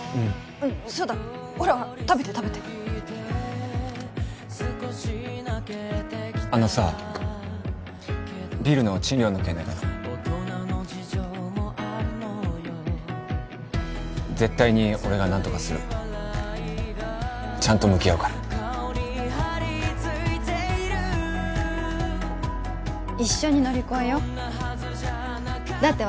うんそうだほら食べて食べてあのさビルの賃料の件だけど絶対に俺が何とかするちゃんと向き合うから一緒に乗り越えようだって